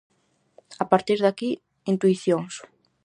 A partir de aquí, intuicións.